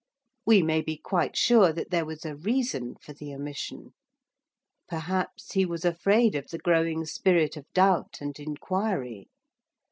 We may be quite sure that there was a reason for the omission. Perhaps he was afraid of the growing spirit of doubt and inquiry.